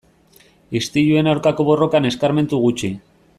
Istiluen aurkako borrokan eskarmentu gutxi.